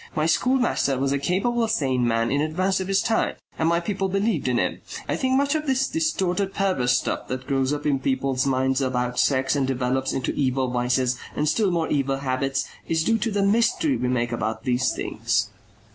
My schoolmaster was a capable sane man in advance of his times and my people believed in him. I think much of this distorted perverse stuff that grows up in people's minds about sex and develops into evil vices and still more evil habits, is due to the mystery we make about these things."